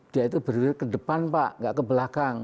dia itu berdiri ke depan pak nggak ke belakang